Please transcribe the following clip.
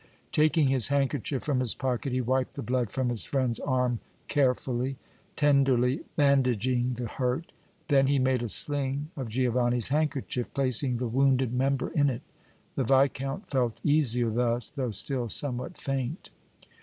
Taking his handkerchief from his pocket, he wiped the blood from his friend's arm, carefully, tenderly bandaging the hurt; then he made a sling of Giovanni's handkerchief, placing the wounded member in it. The Viscount felt easier thus, though still somewhat faint.